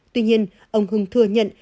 tuy nhiên ông hưng thừa nhận